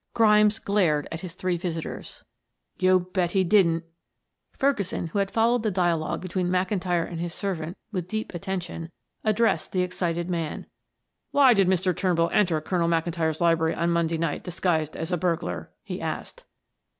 Grimes glared at his three visitors. "You bet he didn't." Ferguson, who had followed the dialogue between McIntyre and his servant with deep attention, addressed the excited man. "Why did Mr. Turnbull enter Colonel McIntyre's library on Monday night disguised as a burglar?" he asked.